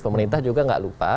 pemerintah juga nggak lupa